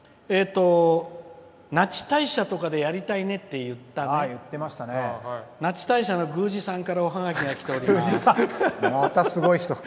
那智大社とかでやりたいなって言ってた那智大社の宮司さんからおハガキがきております。